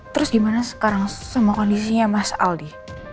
terus gimana sekarang semua kondisinya mas aldi